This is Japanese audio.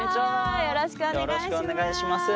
よろしくお願いします。